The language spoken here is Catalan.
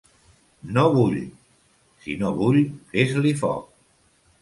No vull! —Si no bull fes-li foc.